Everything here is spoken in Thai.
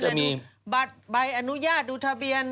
ช่วงบ่ายบัตรใบอนุญาตดูทะเบียน